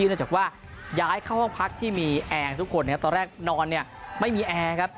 เนื่องจากว่าย้ายเข้าห้องพักที่มีแอร์ทุกคนตอนแรกนอนเนี่ยไม่มีแอร์ครับ